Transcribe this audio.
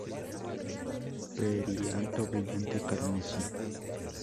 Perianto brillante carmesí.